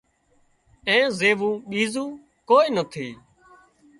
اين زيوو ٻيزو ڪوئي نٿِي